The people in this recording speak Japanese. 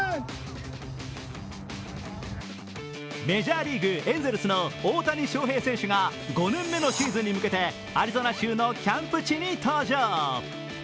メジャーリーグ・エンゼルスの大谷翔平選手が５年目のシーズンに向けてアリゾナ州のキャンプ地に登場。